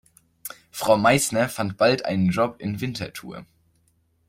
Frau Meißner fand bald einen Job in Winterthur.